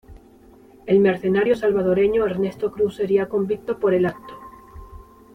El mercenario salvadoreño Ernesto Cruz seria convicto por el acto.